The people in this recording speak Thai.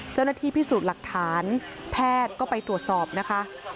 เจ้าหน้าที่พิสูจน์หลักฐานแพทย์ก็ไปตรวจสอบนะคะ